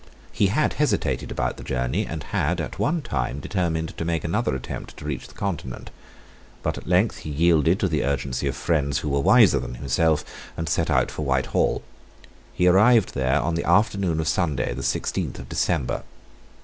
He had hesitated about the journey, and had, at one time, determined to make another attempt to reach the Continent. But at length he yielded to the urgency of friends who were wiser than himself, and set out for Whitehall. He arrived there on the afternoon of Sunday, the sixteenth of December.